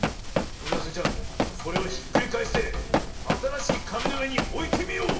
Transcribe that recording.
それではスイちゃんそれをひっくりかえしてあたらしいかみのうえにおいてみよう！